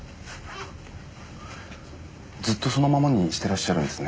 ずっとそのままにしてらっしゃるんですね。